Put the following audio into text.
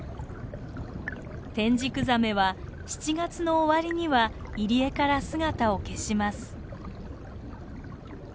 テンジクザメは７月の終わりには入り江から姿を消します。